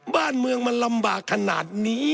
บ้านเมืองมันลำบากขนาดนี้